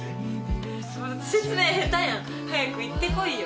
説明下手やん早く行ってこいよ。